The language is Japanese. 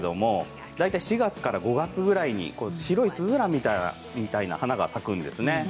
大体、４月から５月くらいに白いスズランのような花が咲くんですね。